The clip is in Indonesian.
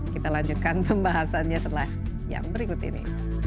kita lanjutkan pembahasannya setelah yang berikut ini